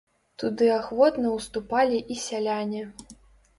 Туды ахвотна ўступалі і сяляне.